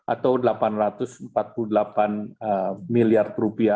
atau rp delapan ratus empat puluh delapan miliar